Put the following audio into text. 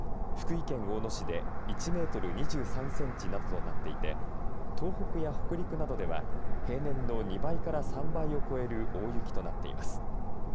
福井県大野市で１メートル２３センチなどとなっていて東北や北陸などでは平年の２倍から３倍を超える大雪となっています。